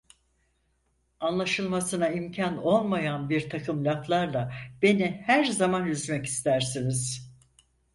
Anlaşılmasına imkan olmayan birtakım laflarla beni her zaman üzmek istersiniz…